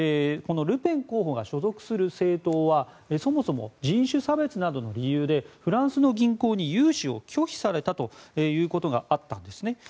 ルペン候補が所属する政党はそもそも人種差別などの理由でフランスの銀行に融資を拒否されたということがあったんです。